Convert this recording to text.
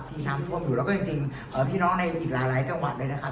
น้ำท่วมอยู่แล้วก็จริงพี่น้องในอีกหลายจังหวัดเลยนะครับ